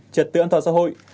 trật tự an toàn xã hội